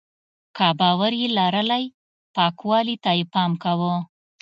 که باور یې لرلی پاکوالي ته یې پام کاوه.